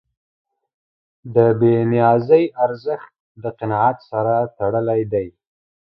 د بېنیازۍ ارزښت د قناعت سره تړلی دی.